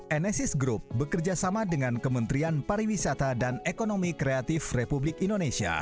enesis group bekerjasama dengan kementerian pariwisata dan ekonomi kreatif republik indonesia